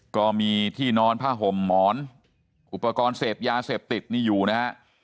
ก็มีที่นอนผ้าห่มหมอนอุปกรณ์เสพยาเสพติดนี่อยู่นะฮะ